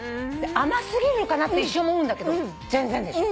甘過ぎるのかな？って一瞬思うんだけど全然でしょ？